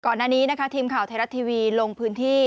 ก่อนหน้านี้นะคะทีมข่าวไทยรัฐทีวีลงพื้นที่